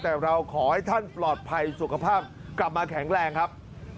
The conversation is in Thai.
แต่เราขอให้ท่านปลอดภัยสุขภาพกลับมาแข็งแรงครับ